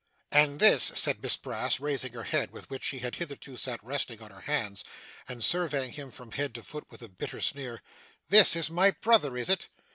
'And this,' said Miss Brass, raising her head, with which she had hitherto sat resting on her hands, and surveying him from head to foot with a bitter sneer, 'this is my brother, is it!